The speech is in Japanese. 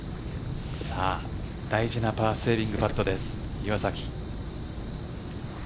大事なパーセービングパットです、岩崎。